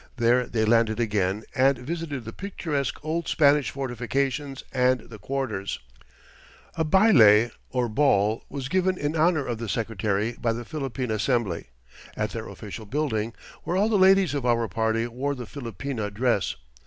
There they landed again and visited the picturesque old Spanish fortifications and the quarters. [Illustration: MRS. ANDERSON IN FILIPINA COSTUME.] A baile, or ball, was given in honour of the Secretary by the Philippine Assembly, at their official building, where all the ladies of our party wore the Filipina dress.